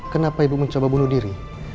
kenapa ibu mencoba bunuh diri